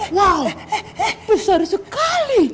wow besar sekali